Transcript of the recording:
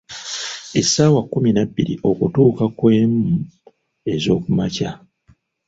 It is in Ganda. Essaawa kkumi na bbiri okutuuka ku emu ez’oku makya.